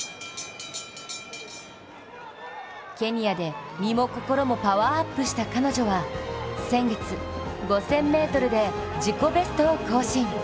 ケニアで身も心もパワーアップした彼女は先月、５０００ｍで自己ベストを更新。